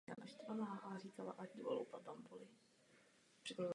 Nyní nastal čas na změnu.